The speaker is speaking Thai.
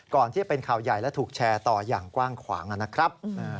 ที่เป็นข่าวใหญ่และถูกแชร์ต่ออย่างกว้างขวางนะครับ